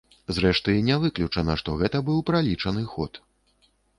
Зрэшты, не выключана, што гэта быў пралічаны ход.